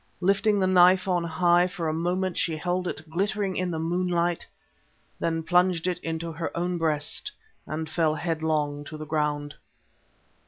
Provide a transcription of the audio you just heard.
Lifting the knife on high, for a moment she held it glittering in the moonlight, then plunged it into her own breast, and fell headlong to the ground.